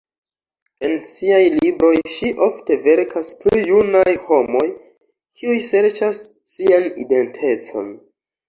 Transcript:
En siaj libroj ŝi ofte verkas pri junaj homoj, kiuj serĉas sian identecon.